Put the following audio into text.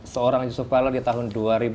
seorang yusuf kahlil di tahun dua ribu dua puluh dua